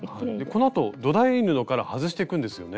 このあと土台布から外していくんですよね。